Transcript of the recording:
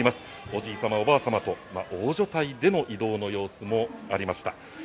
おじい様、おばあ様と大所帯での移動の様子もありました。